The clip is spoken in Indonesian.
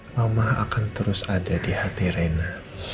mama akan terus ada di hati reina